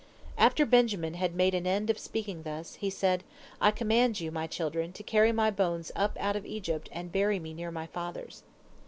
After Benjamin had made an end of speaking thus, he said: "I command you, my children, to carry my bones up out of Egypt and bury me near my fathers."